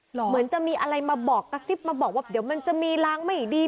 เหมือนจะมีอะไรมาบอกกระซิบมาบอกว่าเดี๋ยวมันจะมีรางไม่ดี